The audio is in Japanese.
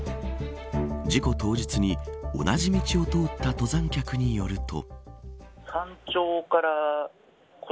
事故当日に同じ道を通った登山客によると。